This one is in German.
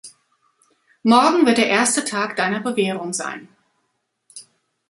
Morgen wird der erste Tag Deiner Bewährung sein.